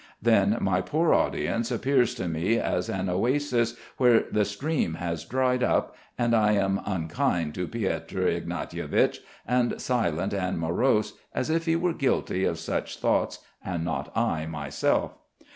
Then my poor audience appears to me as an oasis where the stream has dried, up, and I am unkind to Piotr Ignatievich, and silent and morose as if he were guilty of such thoughts and not I myself.